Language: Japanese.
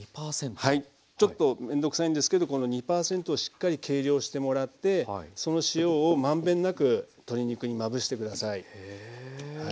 ちょっと面倒くさいんですけどこの２％をしっかり計量してもらってその塩を満遍なく鶏肉にまぶして下さい。